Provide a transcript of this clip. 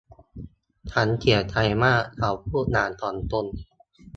ฉันเสียใจมาก เขาพูดอย่างถ่อมตน